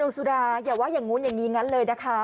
สุดาอย่าว่าอย่างนู้นอย่างนี้งั้นเลยนะคะ